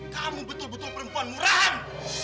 kamu betul betul perempuan muram